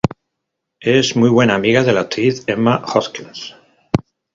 Es muy buena amiga de la actriz Emma Atkins.